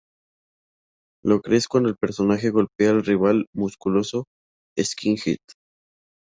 Lo crees cuando su personaje golpea al rival musculoso skinhead.